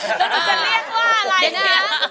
จะเรียกว่าอะไรนะ